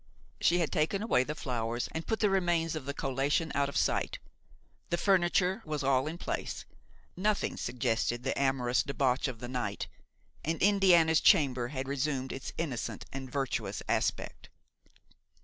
She had taken away the flowers and put the remains of the collation out of sight; the furniture was all in place, nothing suggested the amorous debauch of the night, and Indiana's chamber had resumed its innocent and virtuous aspect.